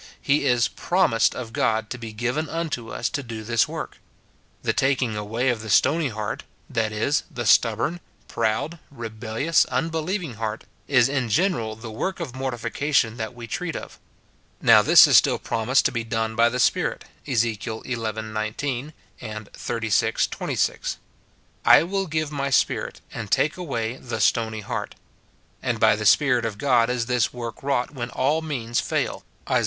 He is promised of God to be given unto us to do this work. The taking awa}' of the stony heart, — that is, the stubborn, proud, rebellious, unbelieving heart, — is in general the work of mortification that we treat of. Now this is still promised to be done by the Spirit, Ezek. xi. 19, xxxvi. 26, " I will give my Spirit, and take away the stony heart;" and by the Spirit of God is this work wrought when all means fail, Isa.